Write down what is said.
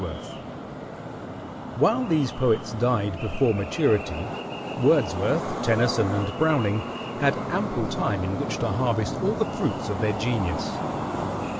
] While these poets died before maturity, Wordsworth, Tennyson, and Browning had ample time in which to harvest all the fruits of their genius.